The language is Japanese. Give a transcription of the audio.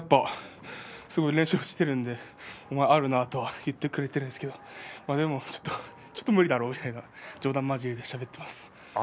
連勝しているのでお前あるなと言ってくれるんですけど言ってもちょっと無理だなって冗談交じりでしゃべっています。